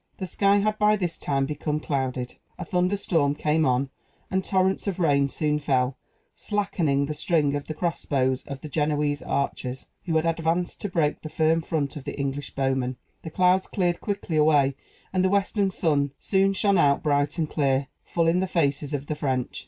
The sky had by this time become clouded; a thunder storm came on, and torrents of rain soon fell slackening the strings of the cross bows of the Genoese archers, who had advanced to break the firm front of the English bowmen. The clouds cleared quickly away, and the western sun soon shone out bright and clear, full in the faces of the French.